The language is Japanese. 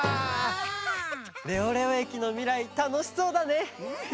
レオレオ駅のみらいたのしそうだね！